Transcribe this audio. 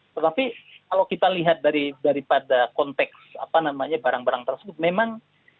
tetapi kalau kita lihat daripada konteks apa namanya barang barang tersebut memang